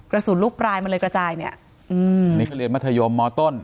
ลูกปลายมันเลยกระจายเนี่ยอืมนี่คือเรียนมัธยมมต้น